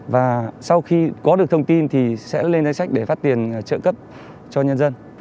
và sau khi có được thông tin thì sẽ lên sách để phát tiền trợ cấp cho nhân dân